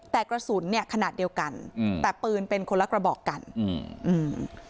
แต่กระสุนเนี้ยขนาดเดียวกันอืมแต่ปืนเป็นคนละกระบอกกันอืมอืม